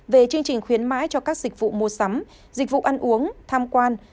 về chương trình khuyến mãi cho các dịch vụ mua sắm dịch vụ ăn uống tham quan